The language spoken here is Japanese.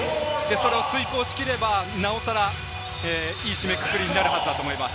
遂行しきればなおさらいい締めくくりになるはずだと思います。